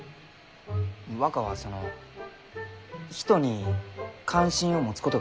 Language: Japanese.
若はその人に関心を持つことがあるがです？